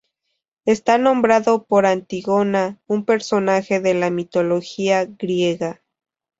Está nombrado por Antígona, un personaje de la mitología griega.